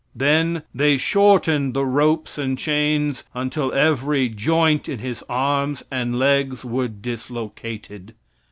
Then they shortened the ropes and chains until every joint in his arms and legs were dislocated.